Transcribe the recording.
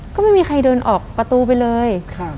ก็ไม่มีใครเดินออกประตูไปเลย